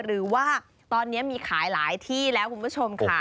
หรือว่าตอนนี้มีขายหลายที่แล้วคุณผู้ชมค่ะ